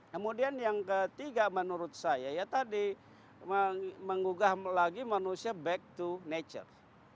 kemudian yang ketiga menurut saya ya tadi menggugah lagi manusia back to nature